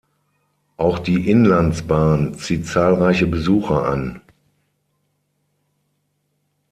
Auch die Inlandsbahn zieht zahlreiche Besucher an.